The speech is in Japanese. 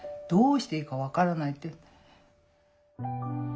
どうしていいか分からない。